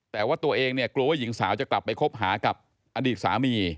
แต่ว่าตัวเองเนี่ยกลัวว่าหญิงสาวจะกลับไปคบหากับอดีตสามี